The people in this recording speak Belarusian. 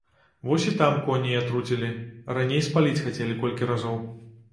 Вось і там коней атруцілі, раней спаліць хацелі колькі разоў.